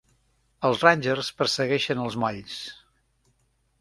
Els Rangers persegueixen els molls.